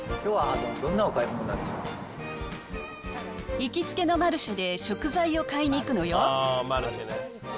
行きつけのマルシェで食材を買いに行くのよ。